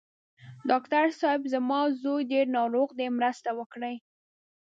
ډاکټر صېب! زما زوی ډېر ناروغ دی، مرسته وکړئ.